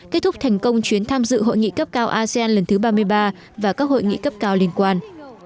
kết thúc thành công chuyến tham dự hội nghị cấp cao asean lần thứ ba mươi ba và các hội nghị cấp cao liên quan